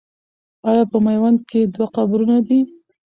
آیا په میوند کې دوه قبرونه دي؟